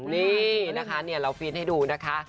นี่นะคะเราฟีดให้ดูนะคะ